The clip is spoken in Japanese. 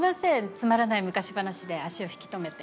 つまらない昔話で足を引き止めて。